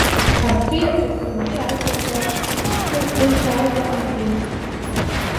Абри аҵыхәтәантәи ажәақәа гәҭыӷыӷьала иҳәеит.